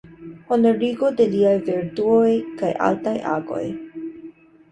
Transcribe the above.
Honorigo de liaj vertuoj kaj altaj agoj.